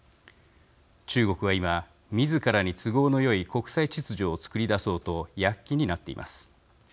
中国は今みずからに都合のよい国際秩序を作り出そうと躍起になっています。